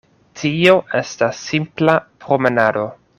Tio estas simpla promenado.